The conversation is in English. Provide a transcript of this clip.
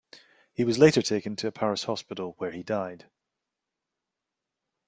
He was later taken to a Paris hospital, where he died.